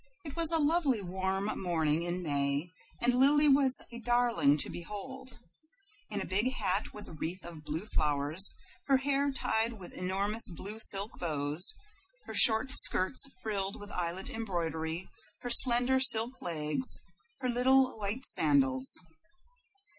It was a lovely warm morning in May, and Lily was a darling to behold in a big hat with a wreath of blue flowers, her hair tied with enormous blue silk bows, her short skirts frilled with eyelet embroidery, her slender silk legs, her little white sandals.